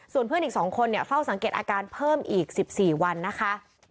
ส่วนเพื่อนอีก๒คนเฝ้าสังเกตอาการเพิ่มอีก๑๔วันนะคะ